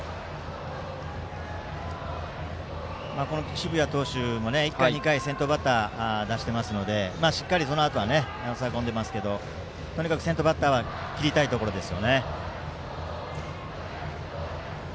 澁谷投手も１回、２回と先頭バッターを出していますのでしっかり、そのあとは抑え込んでいますけどとにかく先頭バッターは切りたいところです。